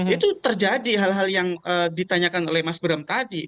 itu terjadi hal hal yang ditanyakan oleh mas bram tadi